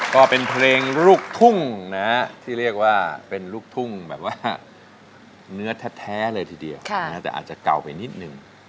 ก็เป็นเพลงลูกทุ่งนะที่เรียกว่าเป็นลูกทุ่งแบบว่าเนื้อแท้เลยทีเดียวแต่อาจจะเก่าไปนิดนึง